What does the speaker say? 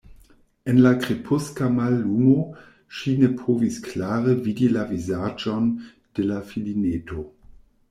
En la krepuska mallumo ŝi ne povis klare vidi la vizaĝon de la filineto.